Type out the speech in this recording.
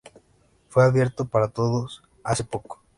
Fue abierto para todos hace poco.